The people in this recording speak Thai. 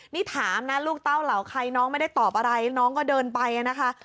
นี่ถามนะลูกเต้าเหล่าใครน้องไม่ได้ตอบอะไรน้องก็เดินไปนะคะ